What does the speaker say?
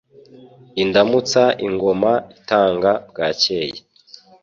Indamutsa Ingoma itanga bwakeye